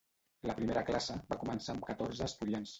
La primera classe va començar amb catorze estudiants.